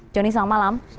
jonny selamat malam